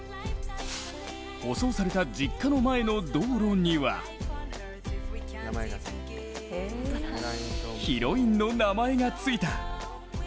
舗装された実家の前の道路にはヒロインの名前がついた。